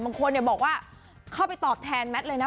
บางคนบอกว่าเข้าไปตอบแทนแมทเลยนะ